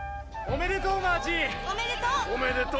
おめでとう！